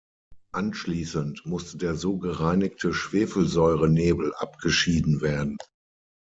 Anschließend musste der so gereinigte Schwefelsäure-Nebel abgeschieden werden.